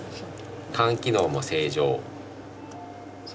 肝機能も正常。